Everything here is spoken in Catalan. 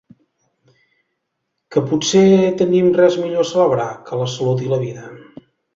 ¿Que potser tenim res millor a celebrar que la salut i la vida?